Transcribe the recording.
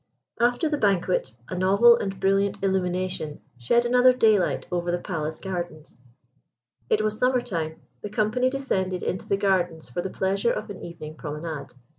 After the banquet, a novel and brilliant illumination shed another daylight over the palace gardens. It was summer time; the company descended into the gardens for the pleasure of an evening promenade.